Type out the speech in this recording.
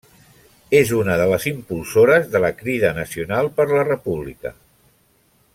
És una de les impulsores de la Crida Nacional per la República.